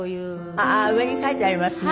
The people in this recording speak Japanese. ああ上に書いてありますね。